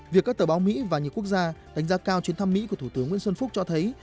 việc các tờ báo mỹ và nhiều quốc gia đánh giá cao chuyến thăm mỹ của thủ tướng nguyễn xuân phúc cho thấy